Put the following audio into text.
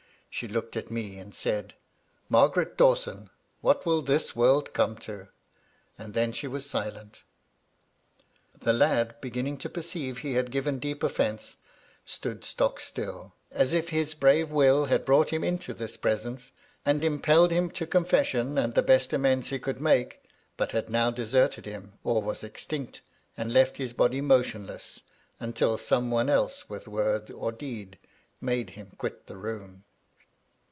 She looked at me, and said, "Margaret Dawson, what will this world come to?" And then she was silent The lad, beginning to perceive he had given deep oflFence, stood stock still — as if his brave will had brought him into this presence, and impelled him to confession, and the best amends he could make, but had now deserted him, or was extinct, and left his body motionless, until some one else with word or deed made him quit the room.